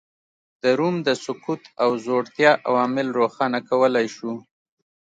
د روم د سقوط او ځوړتیا عوامل روښانه کولای شو